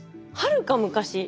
はるか昔？